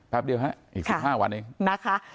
แป๊บเดียวฮะอีก๑๕วันเอง